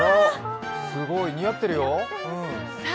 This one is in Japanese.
すごーい、似合ってるよ